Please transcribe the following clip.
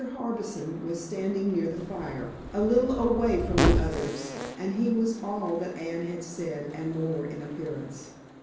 Harbison was standing near the fire, a little away from the others, and he was all that Anne had said and more in appearance.